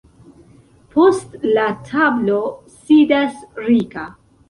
Post la tablo sidas Rika.